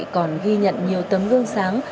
còn ghi nhận nhiều tấm gương sáng